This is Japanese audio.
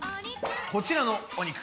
こちらのお肉。